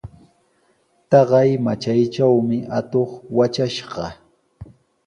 Taqay matraytrawmi atuq watrashqa.